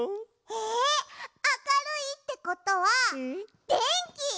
えあかるいってことはでんき？